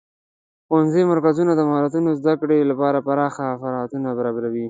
ښوونیز مرکزونه د مهارتونو زدهکړې لپاره پراخه فرصتونه برابروي.